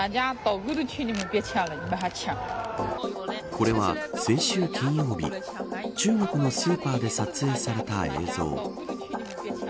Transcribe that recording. これは先週金曜日中国のスーパーで撮影された映像。